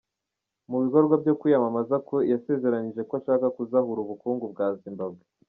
Mu bikorwa byo kwiyamamaza kwe, yasezeranije ko ashaka kuzahura ubukungu bwa Zimbabwe.